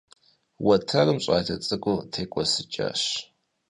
Уэтэрым щӀалэ цӀыкӀур текӀуэсыкӀащ.